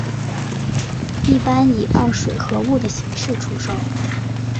一般以二水合物的形式出售。